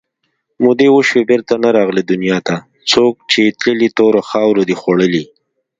مودې وشوې بېرته نه راغله دنیا ته څوک چې تللي تورو مخاورو دي خوړلي